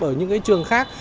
ở những trường khác